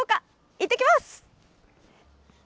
行ってきます。